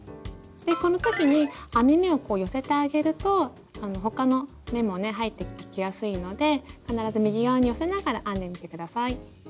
この時に編み目をこう寄せてあげると他の目もね入っていきやすいので必ず右側に寄せながら編んでみて下さい。